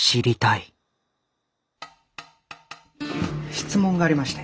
質問がありまして。